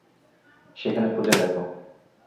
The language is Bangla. সেখানে খুঁজে দেখ।